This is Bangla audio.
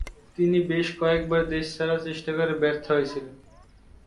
তিনি বেশ কয়েকবার দেশ ছাড়ার চেষ্টা করে ব্যর্থ হয়েছিলেন।